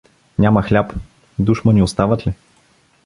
Няма хляб, душмани остават ли?